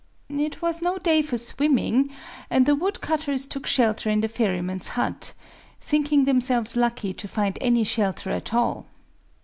It was no day for swimming; and the woodcutters took shelter in the ferryman's hut,—thinking themselves lucky to find any shelter at all.